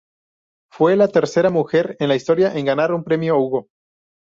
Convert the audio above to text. Fue la tercera mujer en la historia en ganar un premio Hugo.